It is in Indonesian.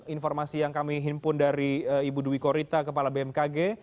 informasi yang kami himpun dari ibu dwi korita kepala bmkg